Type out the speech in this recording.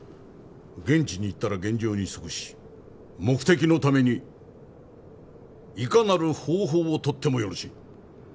現地に行ったら現状に即し目的のためにいかなる方法を取ってもよろしい。